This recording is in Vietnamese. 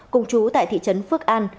cùng chú tại thị trấn phước an